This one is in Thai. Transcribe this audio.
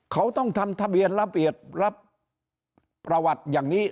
เขาต้องทำทะเบียนระเบียบรับประวัติอย่างนี้